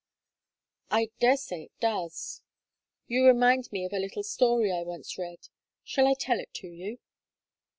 "I dare say it does: you remind me of a little story I once read; shall I tell it to you?"